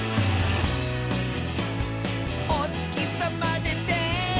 「おつきさまでて」